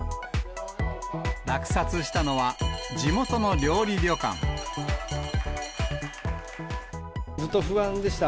落札したのは、ずっと不安でした。